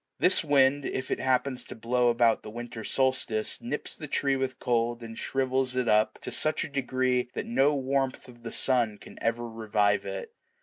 This wind, if it happens to blow about the winter solstice, nips the tree with cold, and shrivels it up to such a degree that no warmth of the sun can ever revive it.